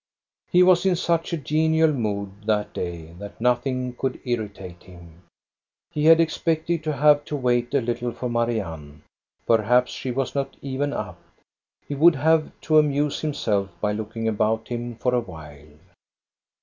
He was in such a genial mood that day that nothing could irritate him. He had expected to have to wait a little for Marianne; perhaps she was not even up. He would have to amuse himself by looking about him for a while.